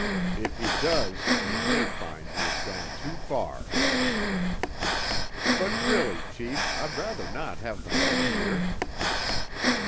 If he does, he may find he has gone too far." "But really, chief, I'd rather not have the men here."